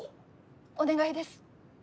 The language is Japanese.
お願いです。